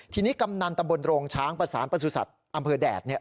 ทีนี้กำนันตำบลโรงช้างประสานประสุทธิ์อำเภอแดดเนี่ย